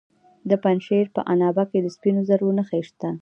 د پنجشیر په عنابه کې د سپینو زرو نښې شته.